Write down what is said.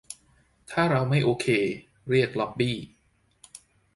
ถ้าเราไม่โอเค เรียก "ล็อบบี้"